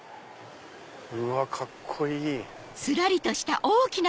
うわカッコいい！